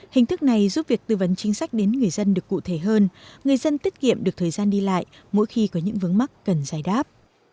hình thức này giúp việc tư vấn chính sách đến người dân được cụ thể hơn người dân tiết kiệm được thời gian đi lại mỗi khi có những vướng mắt cần giải đáp